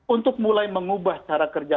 untuk mulai mengubah cara kerja